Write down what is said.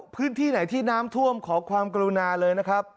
พื้นที่ไหนที่น้ำท่วมขอความกรุณาเลยนะครับ